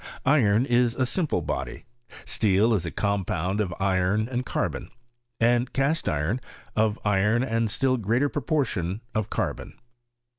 Iron is a simple body; steel is a compound of iron and carbon ; and cast iron of iron and a still greater proportion of carbon.